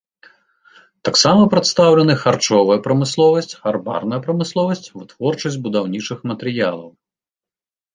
Таксама прадстаўлены харчовая прамысловасць, гарбарная прамысловасць, вытворчасць будаўнічых матэрыялаў.